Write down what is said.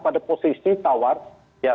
pada posisi tawar ya